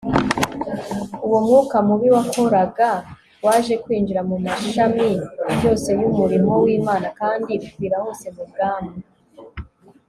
uwo mwuka mubi wakoraga waje kwinjira mu mashami yose y'umurimo w'imana, kandi ukwira hose mu bwami